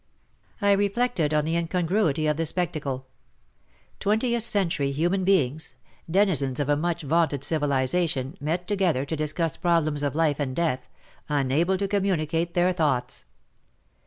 I reflected on the incongruity of the spectacle. Twentieth century human beings — denizens of a much vaunted civilization, met together to discuss problems of life and death — unable to communicate their thoughts